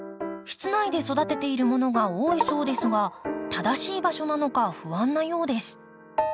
室内で育てているものが多いそうですが正しい場所なのか不安なようです。